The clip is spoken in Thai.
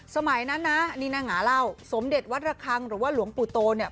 สมัยนั้นนะนี่นางหงาเล่าสมเด็จวัดระคังหรือว่าหลวงปู่โตเนี่ย